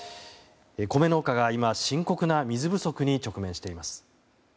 米農家が今、深刻な水不足に直面しています。